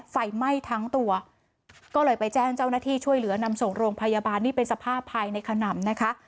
ไฟไหม้ทั้งตัวก็เลยไปแจ้งเจ้าหน้าที่ช่วยเหลือนำส่งโรงพยาบาลนี่เป็นสภาพภายในขนำนะคะ